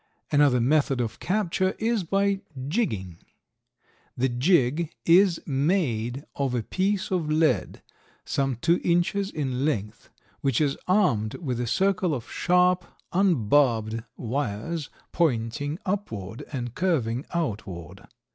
Another method of capture is by jigging; the jig is made of a piece of lead some two inches in length which is armed with a circle of sharp, unbarbed wires pointing upward and curving outward.